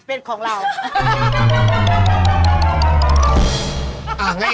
เป็นของเรา